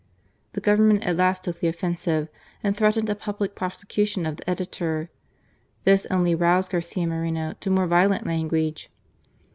*' The Government at last took the offensive and threatened a public prosecution of the editor. This only roused Garcia Moreno to more violent language.